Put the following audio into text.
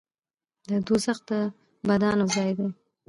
دوزخ د بدانو ځای دی